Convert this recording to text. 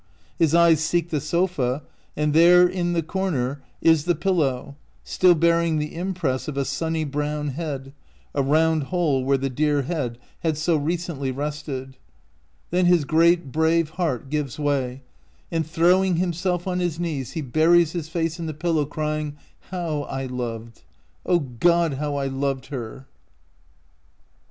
His eyes seek the sofa, and there in the corner is the pil low, still bearing the impress of a sunny brown head, a round hole where the dear head had so recently rested. Then his 233 OUT OF BOHEMIA great, brave heart gives way, and, throwing himself on his knees, he buries his face in the pillow, crying, "How I loved! O God, how I loved her!"